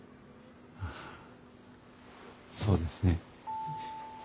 ああそうですね。